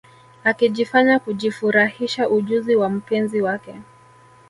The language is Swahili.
Akijifanya kujifurahisha ujuzi wa mpenzi wake